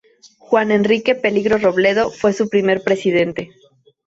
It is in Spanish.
Juan Enrique Peligro Robledo fue su primer presidente.